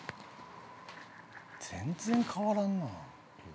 全然変わらんな